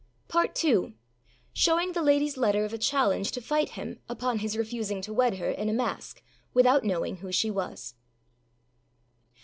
PART II. SHOWING THE LADYâS LETTER OF A CHALLENGE TO FIGHT HIM UPON HIS REFUSING TO WED HER IN A MASK, WITHOUT KNOWING WHO SHE WAS.